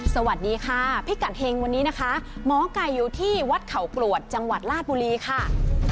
สวัสดีค่ะพิกัดเฮงวันนี้นะคะหมอไก่อยู่ที่วัดเขากรวดจังหวัดลาดบุรีค่ะ